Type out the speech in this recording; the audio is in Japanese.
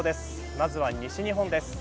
まずは西日本です。